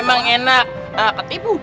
emang enak ketipu